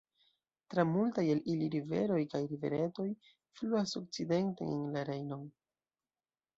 Tra multaj el ili riveroj kaj riveretoj fluas okcidenten en la Rejnon.